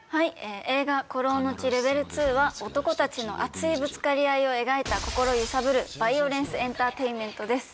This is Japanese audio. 映画『孤狼の血ＬＥＶＥＬ２』は男たちの熱いぶつかり合いを描いた心揺さぶるバイオレンスエンターテインメントです。